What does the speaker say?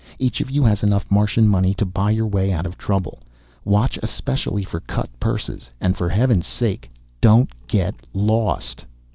Each of you has enough Martian money to buy your way out of trouble. Watch especially for cut purses, and for heaven's sake, don't get lost."